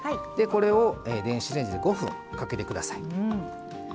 これを、電子レンジで５分かけてください。